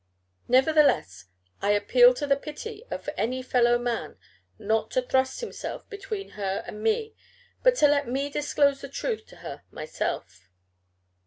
Nevertheless I appeal to the pity of any fellow man, not to thrust himself between her and me, but to let me disclose the truth to her myself."